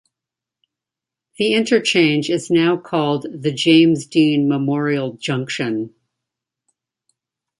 The interchange is now called the James Dean Memorial Junction.